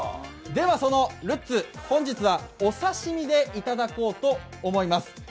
では、そのルッツ、本日はお刺身でいただこうと思います。